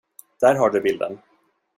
Där har du bilden.